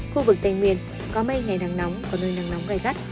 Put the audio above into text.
khu vực tây nguyên có mây ngày nắng nóng và nơi nắng nóng gai gắt